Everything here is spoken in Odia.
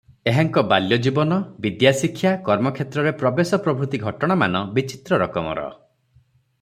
ଏହାଙ୍କ ବାଲ୍ୟଜୀବନ, ବିଦ୍ୟାଶିକ୍ଷା, କର୍ମକ୍ଷେତ୍ରରେ ପ୍ରବେଶ ପ୍ରଭୁତି ଘଟଣାମାନ ବିଚିତ୍ର ରକମର ।